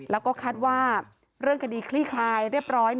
แล้วก็คาดว่าเรื่องคดีคลี่คลายเรียบร้อย